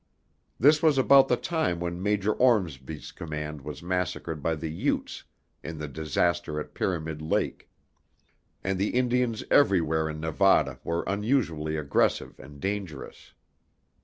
This was about the time when Major Ormsby's command was massacred by the Utes in the disaster at Pyramid Lake, and the Indians everywhere in Nevada were unusually aggressive and dangerous.